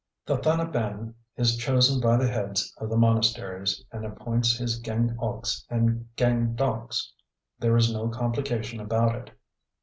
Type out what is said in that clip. The Thathanabaing is chosen by the heads of the monasteries, and appoints his Gaing oks and Gaing dauks. There is no complication about it.